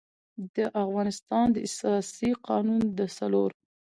د افغانستان د اساسي قـانون د څلور